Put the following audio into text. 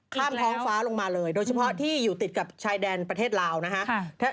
ข้ามท้องฟ้าลงมาเลยโดยเฉพาะที่อยู่ติดกับชายแดนประเทศลาวนะฮะ